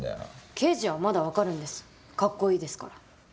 刑事はまだわかるんですかっこいいですから。